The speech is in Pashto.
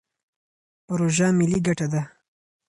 پروژه ملي ګټه ده.